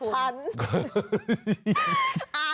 ขาดขัน